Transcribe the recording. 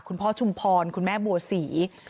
คุณพ่อชุมพรคุณแม่บัวศรี